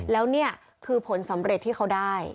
แล้วนี่คือผลสำเร็จที่เขาได้